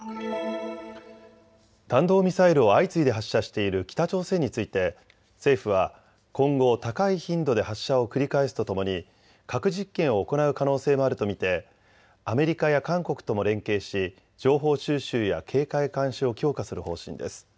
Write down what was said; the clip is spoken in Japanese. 弾道ミサイルを相次いで発射している北朝鮮について政府は今後、高い頻度で発射を繰り返すとともに核実験を行う可能性もあると見てアメリカや韓国とも連携し情報収集や警戒監視を強化する方針です。